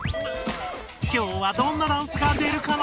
今日はどんなダンスが出るかな？